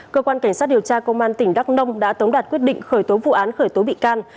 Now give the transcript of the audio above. cơ quan cảnh sát điều tra công an tỉnh đắk nông đã tống đạt quyết định khởi tố vụ án khởi tố bị can